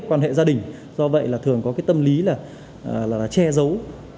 quan hệ gia đình do vậy là thường có cái tâm lý là che giấu